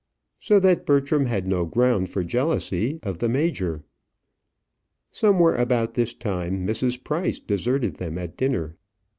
So that Bertram had no ground for jealousy of the major. Somewhere about this time, Mrs. Price deserted them at dinner.